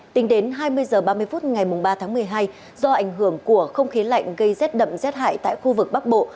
tính đến hai mươi h ba mươi phút ngày ba tháng một mươi hai do ảnh hưởng của không khí lạnh gây rét đậm rét hại tại khu vực bắc bộ